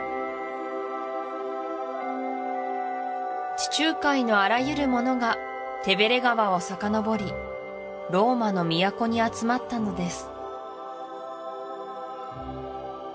地中海のあらゆるものがテヴェレ川をさかのぼりローマの都に集まったのです